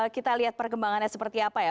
kita lihat perkembangannya seperti apa ya